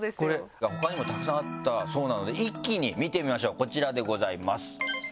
他にもたくさんあったそうなので一気に見てみましょうこちらでございます。